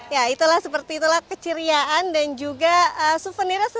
ya itulah seperti itulah keciriaan dan juga souvenirnya sekalian